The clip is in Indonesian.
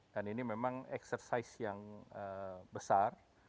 dan ini memang eksersis yang besar